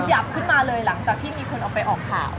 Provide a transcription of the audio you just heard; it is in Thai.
โอ้โหขยับขึ้นมาเลยหลังจากที่มาได้ออกผ่าน